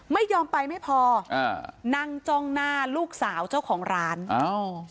ไม่ยอมไปไม่พออ่านั่งจ้องหน้าลูกสาวเจ้าของร้านอ้าว